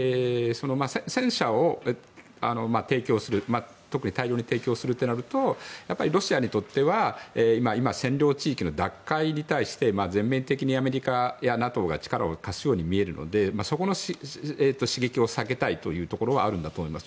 戦車を提供する特に大量に提供するとなるとやっぱりロシアにとっては今、占領地域の奪回に対して全面的にアメリカやＮＡＴＯが力を貸すように見えるのでそこの刺激を避けたいというところはあるんだと思います。